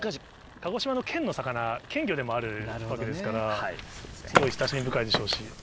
鹿児島の県の魚、県魚でもあるわけですから、すごい親しみ深いでしょうし。